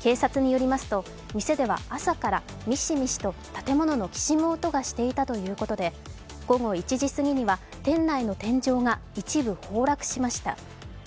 警察によりますと、店では朝からミシミシと建物のきしむ音がしていたということで午後１時過ぎには店内の天井が一部崩落しました。